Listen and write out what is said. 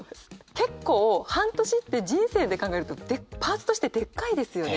結構半年って人生で考えるとパーツとしてでっかいですよね。